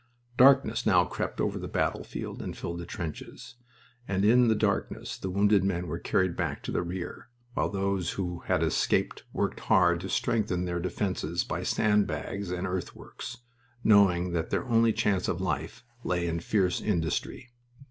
Darkness now crept over the battlefield and filled the trenches, and in the darkness the wounded men were carried back to the rear, while those who had escaped worked hard to strengthen their defenses by sand bags and earthworks, knowing that their only chance of life lay in fierce industry.